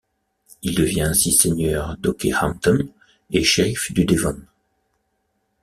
Il devient ainsi seigneur d'Okehampton et shérif du Devon.